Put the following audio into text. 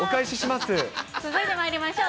続いてまいりましょう。